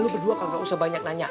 lu berdua kalau gak usah banyak nanya